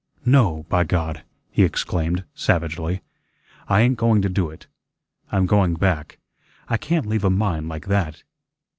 No, by God!" he exclaimed, savagely, "I ain't going to do it. I'm going back. I can't leave a mine like that."